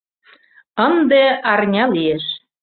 — Ынде арня лиеш.